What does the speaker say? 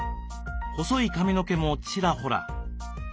細い髪の毛もちらほら。